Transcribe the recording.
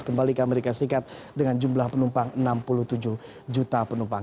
kembali ke amerika serikat dengan jumlah penumpang enam puluh tujuh juta penumpang